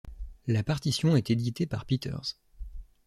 La partition est éditée par Peters.